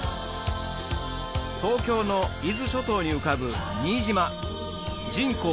東京の伊豆諸島に浮かぶ新島人口